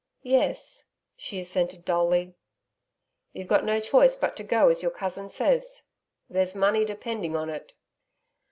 'Yes,' she assented dully. 'You've got no choice but to go as your cousin says. There's money depending on it.'